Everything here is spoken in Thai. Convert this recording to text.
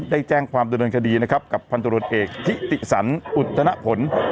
ได้แจ้งความโดยเดินคดีนะครับกับพันตรวจเอกที่ติสรรอุตนผล